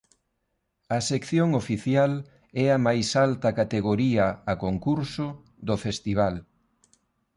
A Sección Oficial é a máis alta categoría a concurso do festival.